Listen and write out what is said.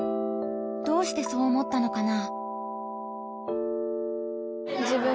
どうしてそう思ったのかな？